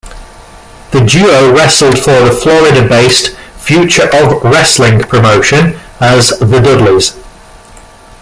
The duo wrestled for the Florida-based Future of Wrestling promotion as "The Dudleys".